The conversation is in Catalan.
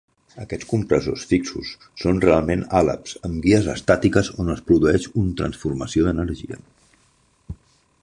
Aquests compressors fixos són realment àleps amb guies estàtiques on es produeix un transformació de l"energia.